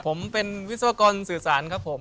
ผมเป็นวิศวกรสื่อสารครับผม